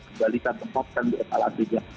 kembalikan tempat kan di kepala beja